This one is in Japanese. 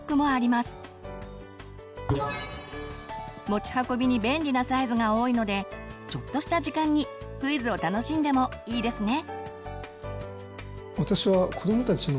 持ち運びに便利なサイズが多いのでちょっとした時間にクイズを楽しんでもいいですね。